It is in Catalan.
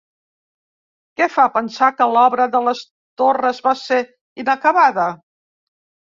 Què fa pensar que l'obra de les torres va ser inacabada?